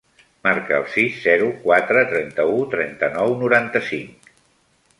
Marca el sis, zero, quatre, trenta-u, trenta-nou, noranta-cinc.